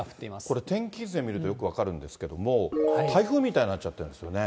これ、天気図で見るとよく分かるんですけども、台風みたいになっちゃってるんですよね。